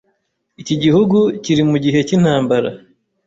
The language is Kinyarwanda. iki gihugu kiri mu gihe nk'icy'intambara